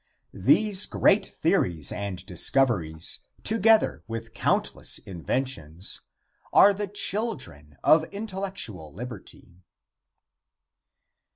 These great theories and discoveries, together with countless inventions, are the children of intellectual liberty.